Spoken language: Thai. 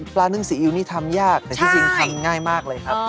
นึ่งซีอิ๊วนี่ทำยากแต่ที่จริงทำง่ายมากเลยครับ